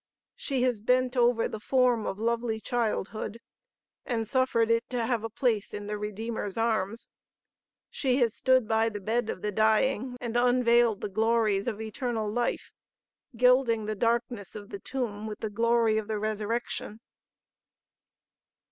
She has bent over the form of lovely childhood, and suffered it to have a place in the Redeemer's arms. She has stood by the bed of the dying, and unveiled the glories of eternal life, gilding the darkness of the tomb with the glory of the resurrection."